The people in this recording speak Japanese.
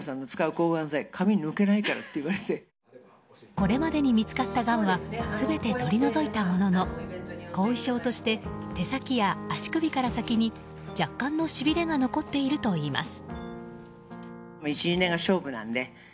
これまでに見つかったがんは全て取り除いたものの後遺症として手先や足首から先に若干のしびれが残っているといいます。